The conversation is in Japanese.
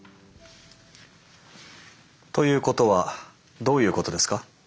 ということはどういうことですか？